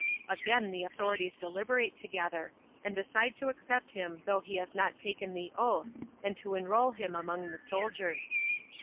Again the authorities deliberate together, and decide to accept him though he has not taken the oath, and to enrol him among the soldiers.